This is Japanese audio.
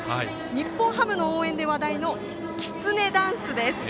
日本ハムの応援で話題のきつねダンスです。